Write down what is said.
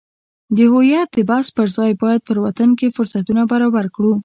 د هویت د بحث پرځای باید په وطن کې فرصتونه برابر کړو.